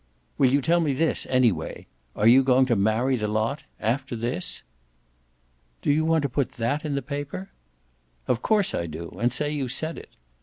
"Will you tell me this anyway? ARE you going to marry the lot after this?" "Do you want to put that in the paper?" "Of course I do and say you said it!"